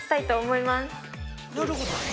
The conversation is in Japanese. なるほど。